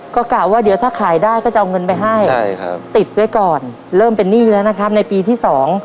ก็กะว่าเดี๋ยวถ้าขายได้ก็จะเอาเงินไปให้ใช่ครับติดไว้ก่อนเริ่มเป็นหนี้แล้วนะครับในปีที่สอง